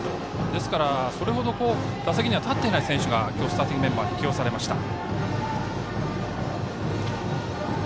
ですから、それほど打席には立っていない選手が今日、スターティングメンバーに起用されました。